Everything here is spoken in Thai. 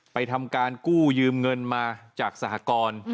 ทำการกู้ยืมเงินมาจากสหกร